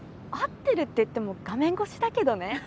会ってるって言っても画面越しだけどね。